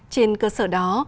trên cơ sở đó